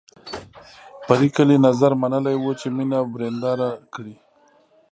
پري ګلې نذر منلی و چې مینه ورېنداره کړي